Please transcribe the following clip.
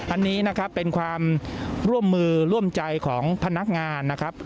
อันนี้นะครับเป็นความร่วมมือร่วมใจของพนักงานนะครับ